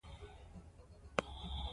آیا د خوب کمښت د کولمو روغتیا اغېزمنوي؟